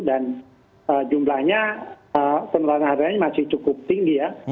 dan jumlahnya penerangan hariannya masih cukup tinggi ya